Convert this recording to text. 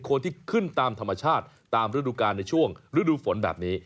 คนที่ขึ้นตามธรรมชาติตามฤดูกาลในช่วงฤดูฝนแบบนี้